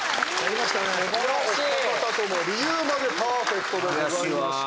お二方とも理由までパーフェクトでございました。